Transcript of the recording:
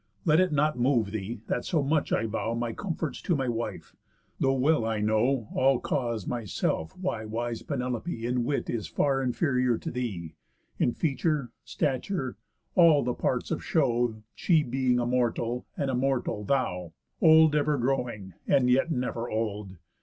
Let it not move thee, that so much I vow My comforts to my wife; though well I know All cause myself why wise Penelope In wit is far inferior to thee, In feature, stature, all the parts of show, She being a mortal, an immortal thou, Old ever growing, and yet never old.